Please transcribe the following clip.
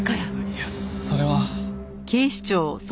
いやそれは。